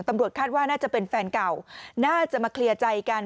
ตำรวจคาดว่าน่าจะเป็นแฟนเก่าน่าจะมาเคลียร์ใจกัน